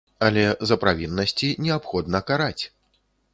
Але за правіннасці неабходна караць!